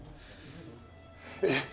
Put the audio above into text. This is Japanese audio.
えっ？